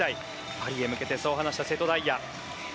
パリへ向けてそう話した瀬戸大也。